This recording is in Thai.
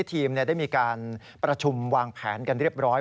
ทีมได้มีการประชุมวางแผนกันเรียบร้อย